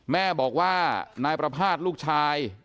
แม่บอกว่านายประภาษณ์ลูกชาย